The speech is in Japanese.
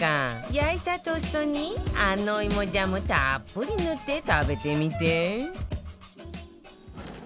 焼いたトーストに安納芋ジャムたっぷり塗って食べてみて